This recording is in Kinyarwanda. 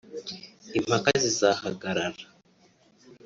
impaka zizahagarara